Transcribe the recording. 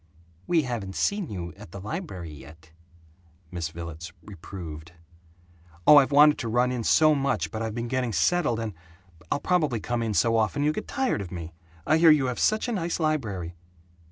"We haven't seen you at the library yet," Miss Villets reproved. "I've wanted to run in so much but I've been getting settled and I'll probably come in so often you'll get tired of me! I hear you have such a nice library."